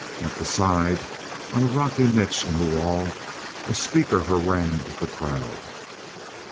At the side, on a rocky niche in the wall, a speaker harangued the crowd.